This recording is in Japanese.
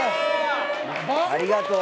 ありがとう！